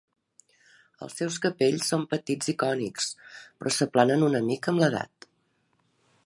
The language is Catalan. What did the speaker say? Els seus capells són petits i cònics però s'aplanen una mica amb l'edat.